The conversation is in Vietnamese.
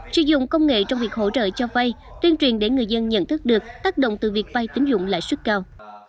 sử dụng công nghệ trong việc hỗ trợ cho vai tuyên truyền để người dân nhận thức được tác động từ việc vai tín dụng lãi suất cao